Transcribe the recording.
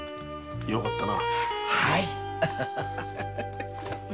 よかったな。